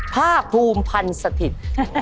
ภาคภูมิพันธ์สถิตย์